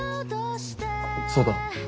そうだ。